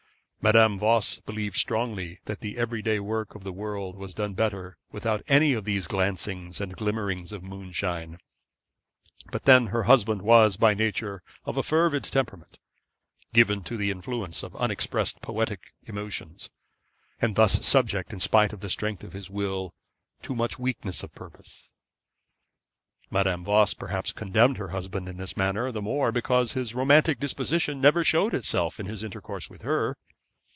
Madame Voss believed strongly that the every day work of the world was done better without any of these glancings and glimmerings of moonshine. But then her husband was, by nature, of a fervid temperament, given to the influence of unexpressed poetic emotions; and thus subject, in spite of the strength of his will, to much weakness of purpose. Madame Voss perhaps condemned her husband in this matter the more because his romantic disposition never showed itself in his intercourse with her.